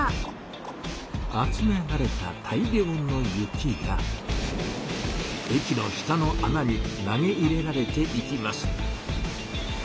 集められた大量の雪が駅の下のあなに投げ入れられていきます。